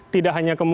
tidak hanya kemudian